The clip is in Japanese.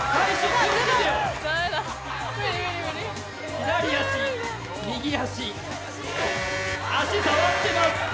左足、右足足、触ってます。